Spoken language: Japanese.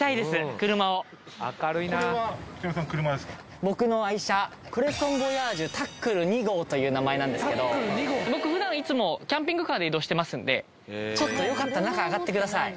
今日僕の愛車クレソンボヤージュタックル２号という名前なんですけど僕普段いつもキャンピングカーで移動してますんでよかったら中あがってください